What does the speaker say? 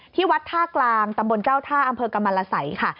ที่วัดท่ากลางตำบลเจ้าท่าอำเภอกรรมรสัยค่ะ